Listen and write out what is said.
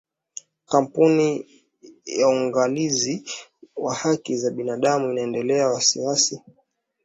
Kampuni ya Uangalizi wa haki za binadamu inaelezea wasiwasi kuhusu kuteswa wafungwa nchini Uganda.